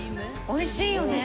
おいしいよね。